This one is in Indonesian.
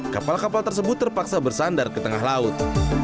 kapal kapal tersebut terpaksa bersandar ke tengah laut